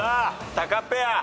タカペア。